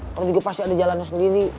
terus juga pasti ada jalannya sendiri